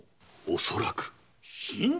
恐らく。